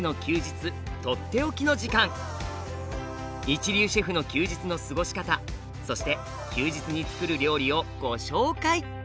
一流シェフの休日の過ごし方そして休日につくる料理をご紹介。